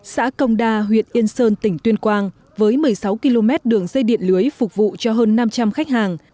xã công đa huyện yên sơn tỉnh tuyên quang với một mươi sáu km đường dây điện lưới phục vụ cho hơn năm trăm linh khách hàng